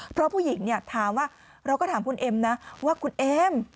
เพราะผู้หญิงเนี่ยถามว่าเราก็ถามคุณเอ็มนะว่าคุณเอม